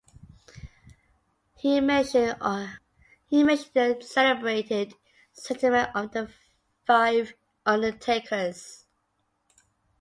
He mentioned the celebrated settlement of the Fife undertakers.